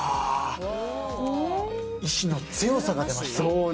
意志の強さが出ましたね。